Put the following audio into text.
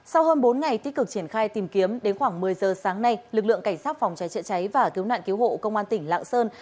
sau hơn bốn ngày tích cực triển khai tìm kiếm đến khoảng một mươi giờ sáng nay lực lượng cảnh sát phòng cháy chữa cháy và cứu nạn cứu hộ công an tỉnh lạng sơn